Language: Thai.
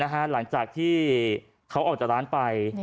หลังจากที่เขาออกจากร้านไป